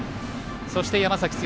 そして、山崎剛